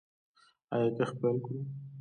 آیا کښت پیل کړو؟